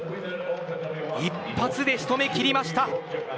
一発で仕留め切りました。